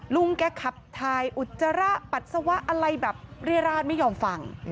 ลุงแกขับถ่ายอุจจาระปัสสาวะอะไรแบบเรียราชไม่ยอมฟัง